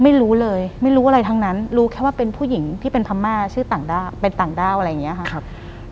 ไม่รู้เลยไม่รู้อะไรทั้งนั้นรู้แค่ว่าเป็นผู้หญิงที่เป็นพม่าชื่อต่างด้าวเป็นต่างด้าวอะไรอย่างนี้ค่ะ